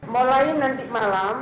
mulai nanti malam